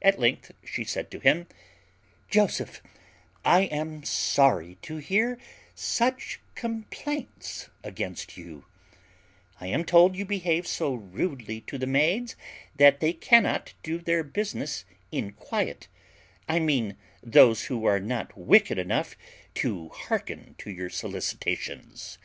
At length she said to him, "Joseph, I am sorry to hear such complaints against you: I am told you behave so rudely to the maids, that they cannot do their business in quiet; I mean those who are not wicked enough to hearken to your solicitations.